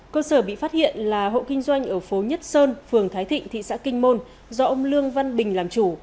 cơ sở bị phát hiện là hộ kinh doanh ở phố nhất sơn phường thái thịnh thị xã kinh môn do ông lương văn bình làm chủ